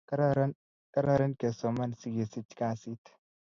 Kararan ke soman si kesich kasit